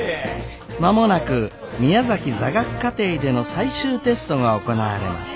間もなく宮崎座学課程での最終テストが行われます。